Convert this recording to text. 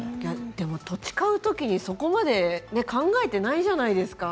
土地を買うときにそこまで考えていないじゃないですか。